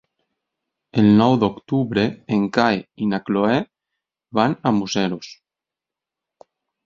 El nou d'octubre en Cai i na Cloè van a Museros.